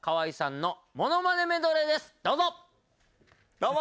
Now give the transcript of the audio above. どうも。